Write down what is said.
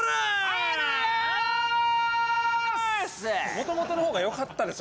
もともとのほうがよかったですよ。